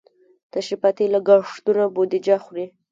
تشریفاتي لګښتونه بودیجه خوري.